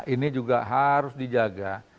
ini juga harus dijaga